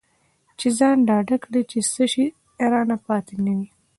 چې ځان ډاډه کړي چې څه شی رانه پاتې نه وي.